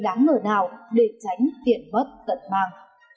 đáng ngờ nào để tránh tiền bất cận mang